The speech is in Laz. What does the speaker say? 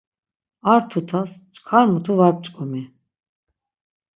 Ar tutas çkar mutu var p̌ç̌ǩomi.